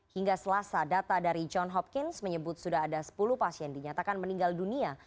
hingga selasa data dari john hopkins menyebut sudah ada sepuluh pasien dinyatakan meninggal dunia